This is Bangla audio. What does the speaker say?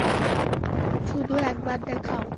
শুধু একবার দেখাও!